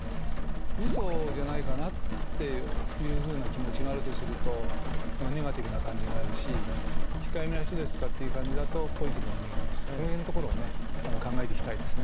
ウソじゃないかなっていうふうな気持ちがあるとするとネガティブな感じがあるし控えめな人ですとかっていう感じだとポジティブな意味があるしその辺のところをね考えていきたいですね。